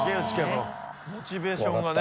このモチベーションがね。